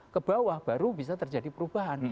ke bawah baru bisa terjadi perubahan